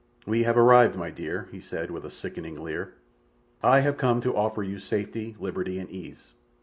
"We have arrived, my dear," he said, with a sickening leer. "I have come to offer you safety, liberty, and ease.